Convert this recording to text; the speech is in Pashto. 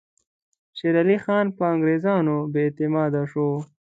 شېر علي خان پر انګریزانو بې اعتماده شو.